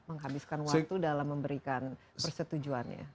dan unesco juga tidak menghabiskan waktu dalam memberikan persetujuan ya